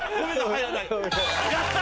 やった！